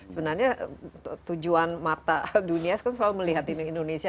sebenarnya tujuan mata dunia kan selalu melihat ini indonesia